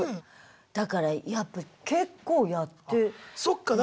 だからやっぱ結構やってる。